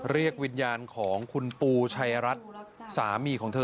เรียกวิญญาณของคุณปูชัยรัฐสามีของเธอ